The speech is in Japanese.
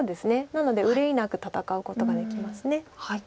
なので憂いなく戦うことができます。